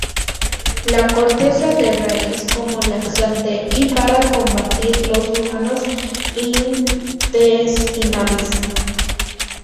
La corteza de raíz como laxante y para combatir los gusanos intestinales.